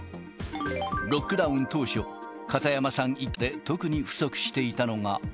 ロックダウン当初、片山さん一家で特に不足していたのが。